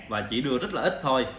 và chỉ đưa rất là ít thôi